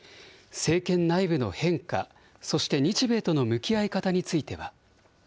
政権内部の変化、そして日米との向き合い方については。